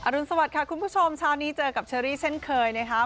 อรุณสวัสดค่ะคุณผู้ชมชาวนี้เจอกับเชอรี่เช่นเคยนะฮะ